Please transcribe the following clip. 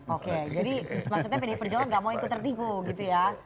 oke jadi maksudnya pdi perjuangan gak mau ikut tertipu gitu ya